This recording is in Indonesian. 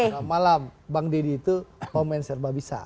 selamat malam bang deddy itu komenser mbak bisa